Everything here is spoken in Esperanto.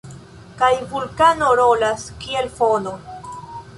Kaj vulkano rolas kiel fono.